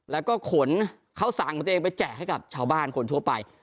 แล้วก็ขนข้าวสารของตัวเองไปแจกให้กับชาวบ้านคนทั่วไป